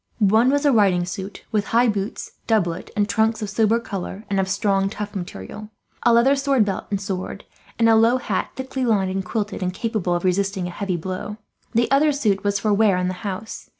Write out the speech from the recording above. One was a riding suit; with high boots, doublet, and trunks of sober colour and of a strong tough material; a leather sword belt and sword; and a low hat thickly lined and quilted, and capable of resisting a heavy blow. The other suit was for wear in the house.